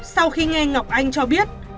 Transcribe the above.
sau khi nghe ngọc anh cho biết